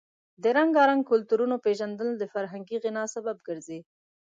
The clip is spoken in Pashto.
د رنګارنګ کلتورونو پیژندل د فرهنګي غنا سبب ګرځي.